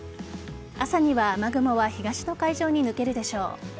朝には、雨雲は東の海上に抜けるでしょう。